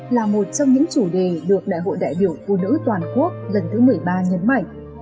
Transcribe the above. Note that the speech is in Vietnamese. là một trong những chủ đề được đại hội đại biểu phụ nữ toàn quốc lần thứ một mươi ba nhấn mạnh